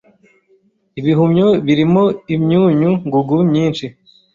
Ibihumyo birimo imyunyu ngugu myinshi.